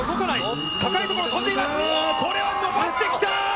これは伸ばしてきた！